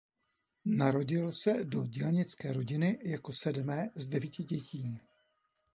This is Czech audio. Narodil se do dělnické rodiny jako sedmé z devíti dětí.